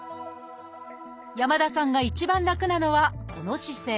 山田さんが一番楽なのはこの姿勢。